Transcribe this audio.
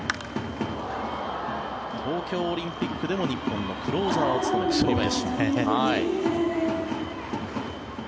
東京オリンピックでも日本のクローザーを務めた栗林。